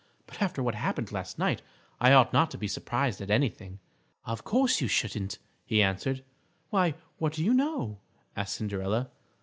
"But after what happened last night I ought not to be surprised at anything." "Of course you shouldn't," he answered. "Why, what do you know?" asked Cinderella.